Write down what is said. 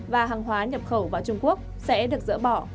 và hàng hóa nhập khẩu vào trung quốc sẽ được dỡ bỏ